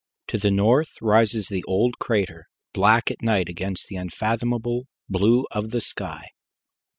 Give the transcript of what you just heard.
To the north rises the old crater, black at night against the unfathomable blue of the sky.